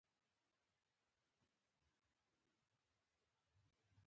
آیا محاکم عادلانه دي؟